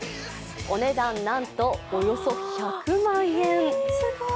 お値段、なんとおよそ１００万円。